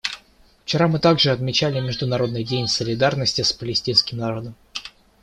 Вчера мы также отмечали Международный день солидарности с палестинским народом.